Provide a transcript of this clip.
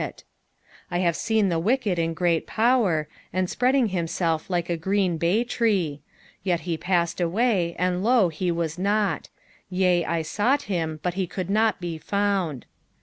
35 I have seen the wicked in great power, and spreading himself like a green bay tree. 36 Yet he passed away, and, lo, he was not; yea, I sought him, but he could not be found.